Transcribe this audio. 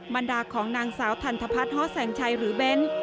บรรดาของนางสาวทันทพัฒน์ฮ้อแสงชัยหรือเบ้น